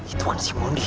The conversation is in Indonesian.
itu kan si mondi